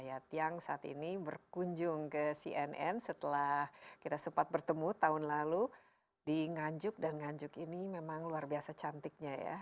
ya tiang saat ini berkunjung ke cnn setelah kita sempat bertemu tahun lalu di nganjuk dan nganjuk ini memang luar biasa cantiknya ya